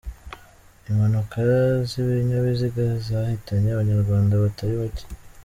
Impanuka z’ibinyabiziga zahitanye Abanyarwanda batari bake